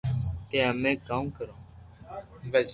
ڪي امي ڪاو ڪرو